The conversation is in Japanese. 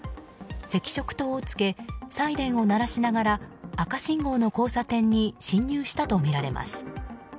赤色灯をつけサイレンを鳴らしながら赤信号の交差点に進入したとみられます。